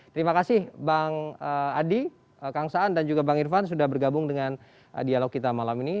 terima kasih bang adi kang saan dan juga bang irfan sudah bergabung dengan dialog kita malam ini